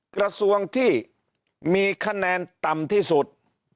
กระทรวงที่มีคะแนนต่ำที่สุด